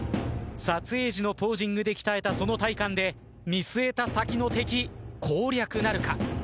撮影時のポージングで鍛えたその体幹で見据えた先の敵攻略なるか？